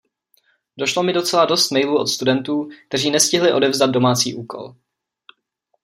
Došlo mi docela dost mailů od studentů, kteří nestihli odevzdat domácí úkol.